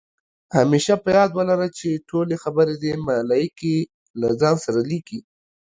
همېشه په یاد ولره، چې ټولې خبرې دې ملائکې له ځان سره لیکي